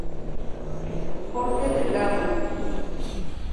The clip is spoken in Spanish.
Jorge Delgado